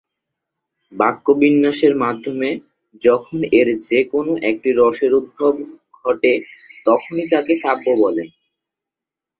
বাক্যবিন্যাসের মাধ্যমে যখন এর যে-কোন একটি রসের উদ্ভব ঘটে তখনই তাকে কাব্য বলে।